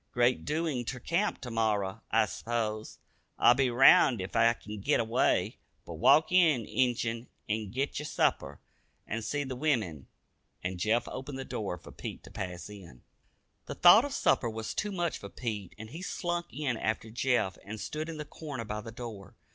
Great doin's ter camp ter morrer, I s'pose. I'll be round ef I kin git away, but walk in, Injun, an' git yer supper, an' see the wimmin," and Jeff opened the door for Pete to pass in. The thought of supper was too much for Pete and he slunk in after Jeff and stood in the corner by the door.